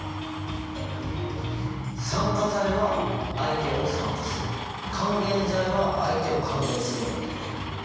酸化剤は相手を酸化する還元剤は相手を還元するんだったよね。